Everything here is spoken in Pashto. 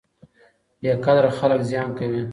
بې قدره خلک زیان کوي.